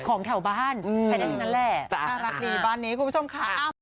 ของแถวบ้านอืมใช้ได้ถึงนั้นแหละจ้ะน่ารักดีบ้านนี้คุณผู้ชมค่ะอ้าว